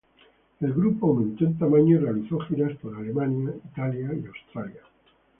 El grupo aumentó en tamaño y realizó giras por Alemania, Italia y Austria.